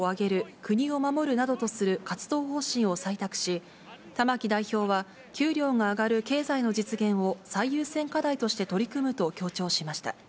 国を守るなどとする活動方針を採択し、玉木代表は、給料が上がる経済の実現を最優先課題として取り組むと強調しました。